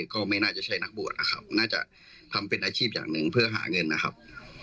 ก็ไม่น่าจะใช่นักบวชนะครับน่าจะทำเป็นอาชีพอย่างหนึ่งเพื่อหาเงินนะครับ